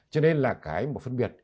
cho nên là cái mà phân biệt